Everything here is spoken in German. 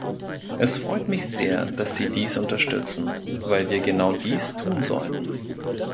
Es freut mich sehr, dass Sie dies unterstützen, weil wir genau dies tun sollten.